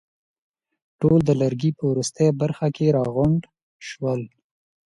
ټول د لرګي په وروستۍ برخه کې راغونډ شول.